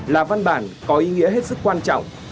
là văn bản có ý nghĩa hết sức quan trọng